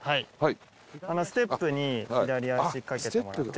ステップに左足かけてもらって。